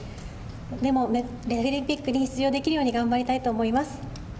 でもデフリンピックに出場できるように頑張りたいと思います。